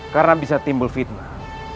karena bisa timbul fitnah